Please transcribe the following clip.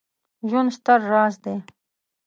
ژوند ستر راز دی